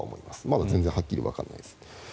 まだ全然はっきりわからないです。